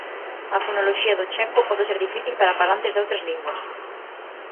A fonoloxía do checo pode ser difícil para falantes doutras linguas.